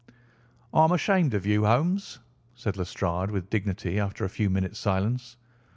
"I am ashamed of you, Holmes," said Lestrade with dignity after a few minutes' silence.